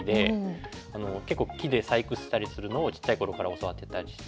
結構木で細工したりするのをちっちゃいころから教わってたりして。